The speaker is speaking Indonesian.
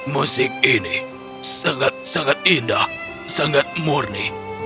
musik ini sangat indah dan sangat murni